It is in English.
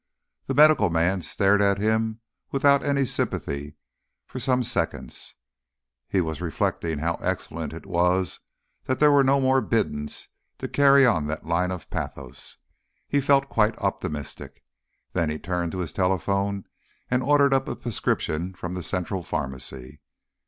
The medical man stared at him without any sympathy for some seconds. He was reflecting how excellent it was that there were no more Bindons to carry on that line of pathos. He felt quite optimistic. Then he turned to his telephone and ordered up a prescription from the Central Pharmacy.